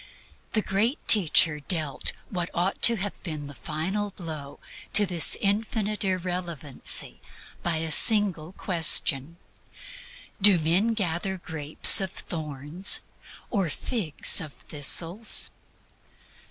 The Great Teacher dealt what ought to have been the final blow to this infinite irrelevancy by a single question, "Do men gather grapes of thorns or figs of thistles?"